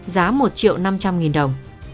giá một triệu năm trăm linh nghìn đồng